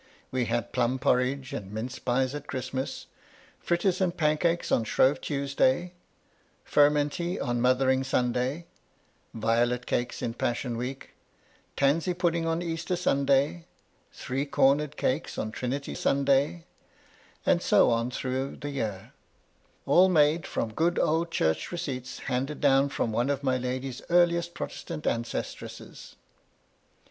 We had plum porridge and mince pies at Christmas, fritters and pancakes on Shrove Tuesday, furmenty on Mothering Sunday, violet cakes in Passion Week, tansy pudding on Easter Sunday, three^<;omered cakes on Trinity Sunday, and so on through the year: all made from good old Church receipts, handed down from one of my lady's earliest Protestant ancestresses.